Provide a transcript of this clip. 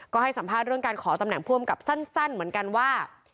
ก็ให้สัมภาษณ์เรื่องการขอตำแหน่งผู้อำกับสั้นเหมือนกันว่า